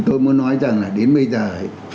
tôi muốn nói rằng là đến bây giờ ấy